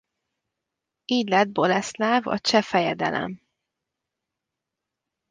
Így lett Boleszláv a cseh fejedelem.